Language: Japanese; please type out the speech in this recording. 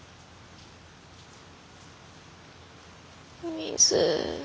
水。